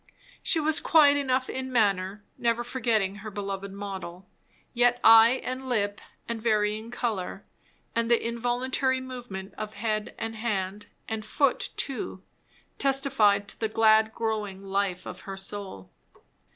She was quiet enough in manner, never forgetting her beloved model; yet eye and lip and varying colour, and the involuntary movement of head and hand, and foot too, testified to the glad growing life of her soul.